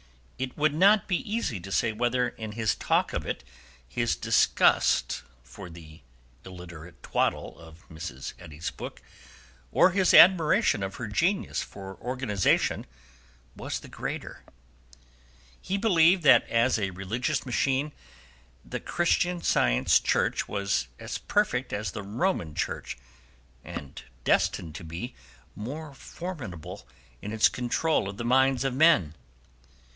It would not be easy to say whether in his talk of it his disgust for the illiterate twaddle of Mrs. Eddy's book, or his admiration of her genius for organization was the greater. He believed that as a religious machine the Christian Science Church was as perfect as the Roman Church and destined to be more formidable in its control of the minds of men.